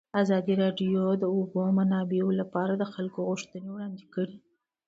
ازادي راډیو د د اوبو منابع لپاره د خلکو غوښتنې وړاندې کړي.